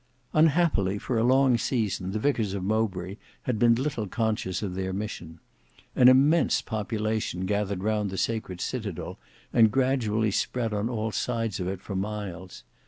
Unhappily for a long season the vicars of Mowbray had been little conscious of their mission. An immense population gathered round the sacred citadel and gradually spread on all sides of it for miles.